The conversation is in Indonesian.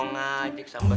tidak ada yang bisa dikira